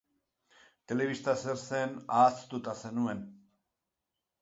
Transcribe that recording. Telebista zer zen ahaztuta zenuen.